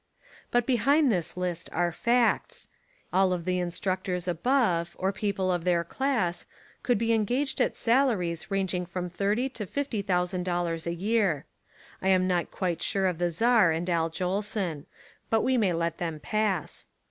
But behind this list are facts. All of the instructors above, or people of their class, could be engaged at salaries ranging from thirty to fifty thousand dollars a year. I am not quite sure of the Czar and Al Jolson. But we may let them pass.